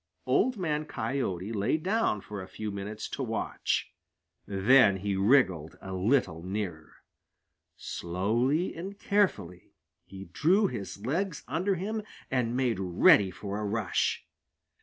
Old Man Coyote lay down for a few minutes to watch. Then he wriggled a little nearer. Slowly and carefully he drew his legs under him and made ready for a rush.